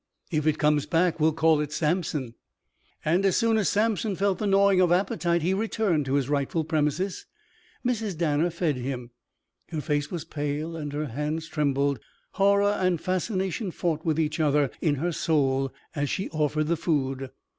"If it comes back we'll call it Samson." And as soon as Samson felt the gnawing of appetite, he returned to his rightful premises. Mrs. Danner fed him. Her face was pale and her hands trembled. Horror and fascination fought with each other in her soul as she offered the food.